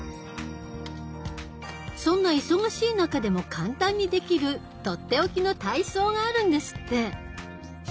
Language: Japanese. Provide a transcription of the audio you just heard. そんな忙しい中でも簡単にできる取って置きの体操があるんですって！